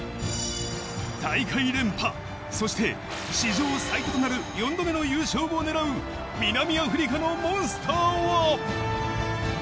大会連覇、そして史上最多となる４度目の優勝を狙う、南アフリカのモンスターは？